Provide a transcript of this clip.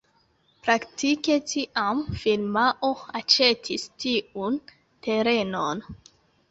Praktike tiam firmao aĉetis tiun terenon.